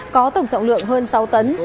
có tổng trọng lượng hơn sáu tấn